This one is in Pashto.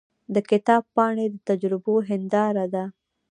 د کتاب پاڼې د تجربو هنداره ده.